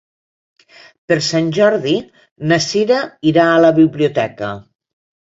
Per Sant Jordi na Sira irà a la biblioteca.